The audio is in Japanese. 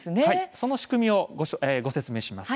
その仕組みをご説明します。